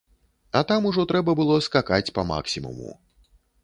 А там ужо трэба было скакаць па-максімуму.